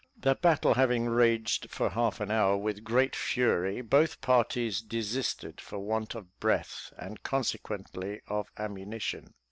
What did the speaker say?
The battle having raged for half an hour with great fury, both parties desisted, for want of breath, and consequently of ammunition.